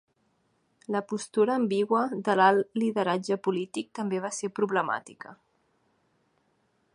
La postura ambigua de l'alt Lideratge polític també va ser problemàtica.